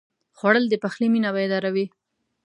خوړل د پخلي مېنه بیداروي